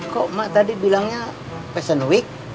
kok mak tadi bilangnya fashion week